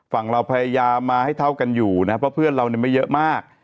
เราพยายามมาให้เท่ากันอยู่นะเพราะเพื่อนเราไม่เยอะมาก